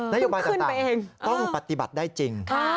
นโยบายต่างต้องปฏิบัติได้จริง